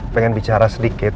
pengen bicara sedikit